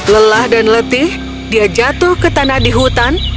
lelah dan letih dia jatuh ke tanah di hutan